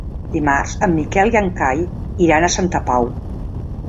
Dimarts en Miquel i en Cai iran a Santa Pau.